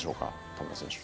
田村選手。